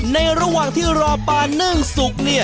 ในระหว่างที่รอปลานึ่งสูง